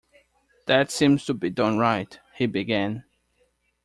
‘That seems to be done right—’ he began.